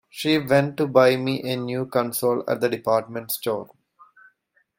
She went to buy me a new console at the department store.